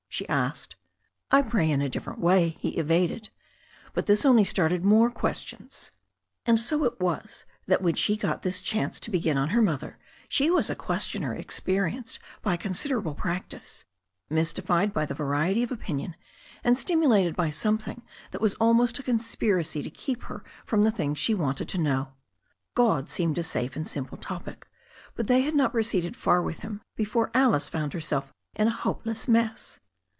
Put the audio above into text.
she asked. "I pray in a different way," he evaded. But this only started more questions. And so it was that when she got this chance to begin on her mother she was a questioner experienced by consider able practice, mystified by the variety of opinion, and stimu lated by something that was almost a conspiracy to keep her from the things she wanted to know. God seemed a safe and simple topic, but they had not proceeded far with Him before Alice found herself in a hopeless mess.